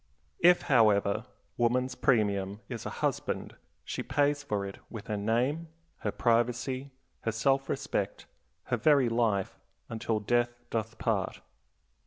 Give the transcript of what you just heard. If, however, woman's premium is a husband, she pays for it with her name, her privacy, her self respect, her very life, "until death doth part."